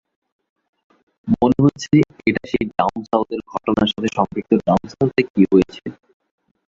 মনে হচ্ছে এটা সেই ডাউন সাউথের ঘটনার সাথে সম্পৃক্ত ডাউন সাউথে কী হয়েছে?